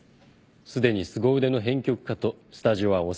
すでにすご腕の編曲家とスタジオは押さえてあります。